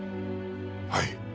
はい。